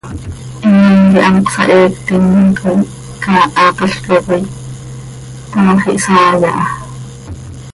Imám quih hant cohsaheectim ha coi caahatalca coi, taax ihsaai aha.